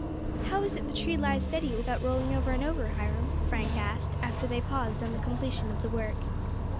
"How is it the tree lies steady without rolling over and over, Hiram?" Frank asked, after they paused on the completion of the work.